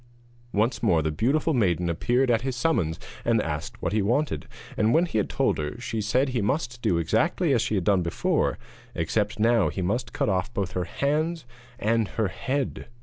Once more the beautiful maiden appeared at his summons and asked what he wanted, and when he had told her she said he must do exactly as he had done the first time, except that now he must cut off both her hands and her head.